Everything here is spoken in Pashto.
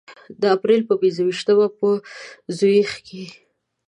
د اپریل په پنځه ویشتمه په زوریخ کې.